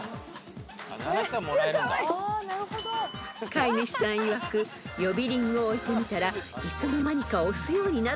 ［飼い主さんいわく呼び鈴を置いてみたらいつの間にか押すようになったそうです］